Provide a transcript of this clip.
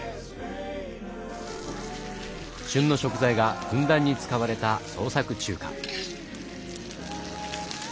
旬の食材がふんだんに使われた創作中華。